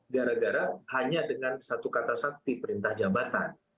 gara gara hanya dengan satu kata sakti perintah jabatan